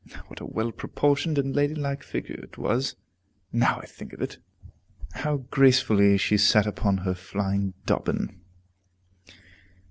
What a well proportioned and ladylike figure it was, now I think of it! How gracefully she sat upon her flying Dobbin!